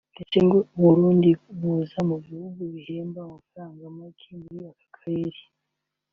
ndetse ngo u Burundi buza mu bihugu bihemba amafaranga make muri aka karere